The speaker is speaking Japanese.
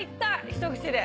一口で。